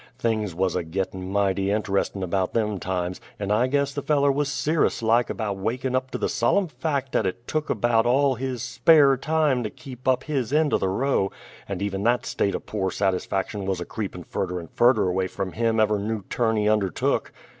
Things wuz a gettin' mighty inte_rest_in' 'bout them times, and I guess the feller wuz ser'ous like a wakin' up to the solem' fact 'at it tuk 'bout all his spare time to keep up his end o' the row, and even that state o' pore satisfaction wuz a creepin' furder and furder away from him ever' new turn he undertook.